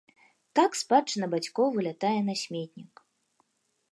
Так спадчына бацькоў вылятае на сметнік.